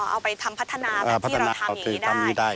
เอาไปทำพัฒนาแบบที่เราทำอย่างนี้ได้